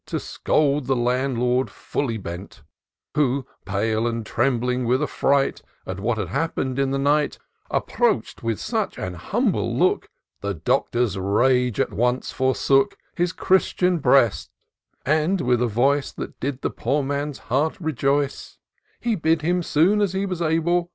To scold the Landlord fiilly bent ; Who, pale, and trembling with affright At what had happened in the liight, Approach'd with such an humble look. The Doctor*i3 rage at once forsook His Christian breast ; and, with a voice That did the poor man's heart rejoice, He bid him, soon as he was able.